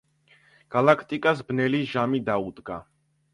გალაქტიკას ბნელი ჟამი დაუდგა.